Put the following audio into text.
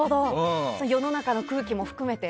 世の中の空気も含めて。